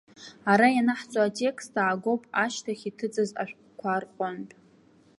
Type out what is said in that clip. Ара ианаҳҵо атекст аагоуп ашьҭахь иҭыҵыз ашәҟәқәа рҟынтә.